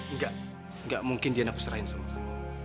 enggak gak mungkin dian aku serahin semua